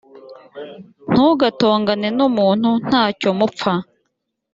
ntugatongane n’umuntu nta cyo mupfa